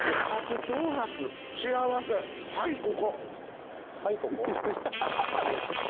はいここ。